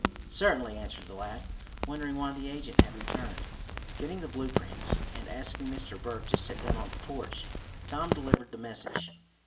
"Certainly," answered the lad, wondering why the agent had returned. Getting the blueprints, and asking Mr. Berg to sit down on the porch, Tom delivered the message.